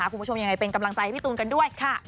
คุณผู้ชมยังไงเป็นกำลังใจให้พี่ตูนกันด้วย